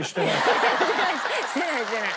してないしてない！